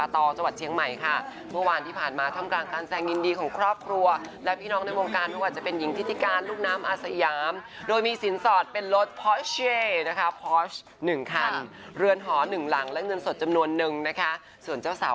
ที่บำเผลอสรรพาตอลจังหวัดเชียงใหม่ค่ะ